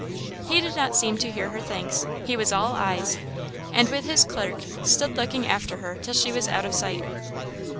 He did not seem to hear her thanks; he was all eyes; and, with his clerk, stood looking after her till she was out of sight.